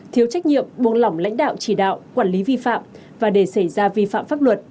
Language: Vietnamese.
thiếu trách nhiệm buông lỏng lãnh đạo chỉ đạo quản lý vi phạm và để xảy ra vi phạm pháp luật